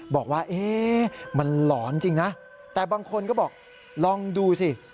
บอกว่ามันหลอนจริงนะแต่บางคนก็บอกลองดูสิ